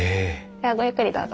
ではごゆっくりどうぞ。